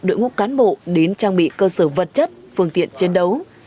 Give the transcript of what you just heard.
đội ngũ cán bộ đến trang bị cơ sở vật chất phương tiện chiến đấu